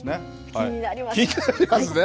気になりますね。